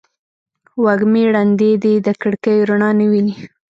وږمې ړندې دي د کړکېو رڼا نه ویني